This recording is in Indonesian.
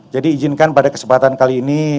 izinkan pada kesempatan kali ini